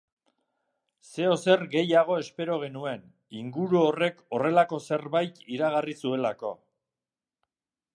Zeozer gehiago espero genuen, inguru horrek horrelako zerbait iragarri zuelako.